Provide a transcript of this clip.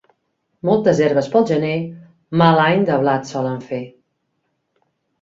Moltes herbes pel gener, mal any de blat solen fer.